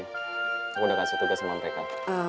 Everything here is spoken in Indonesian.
aku udah kasih tugas sama mereka